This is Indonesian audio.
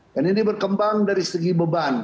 dan ini berkembang dari segi beban